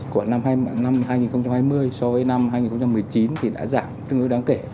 của năm hai nghìn hai mươi so với năm hai nghìn một mươi chín thì đã giảm tương đối đáng kể